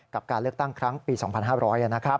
กับการเลือกตั้งครั้งปี๒๕๐๐นะครับ